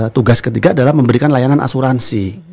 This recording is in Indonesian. tugas ketiga adalah memberikan layanan asuransi